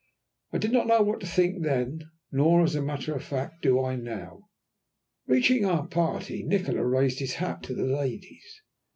I did not know what to think then, nor, as a matter of fact, do I now. Reaching our party, Nikola raised his hat to the ladies.